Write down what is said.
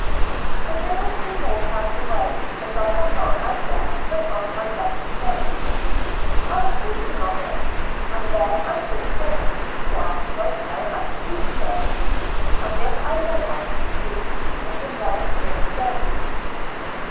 A day or two more passed away, and I had not, as yet, put ofi" my best clothes. I was thinkino; of it, and then I thouo ht again —" Why should I care about the future? And if I lay off this suit I shall never see it again."